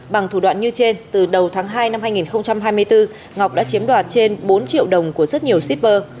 bằng thủ đoạn như trên từ đầu tháng hai năm hai nghìn hai mươi bốn ngọc đã chiếm đoạt trên bốn triệu đồng của rất nhiều shipper